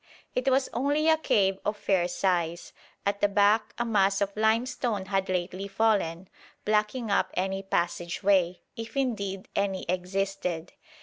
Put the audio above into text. It was only a cave of fair size; at the back a mass of limestone had lately fallen, blocking up any passage way, if indeed any existed.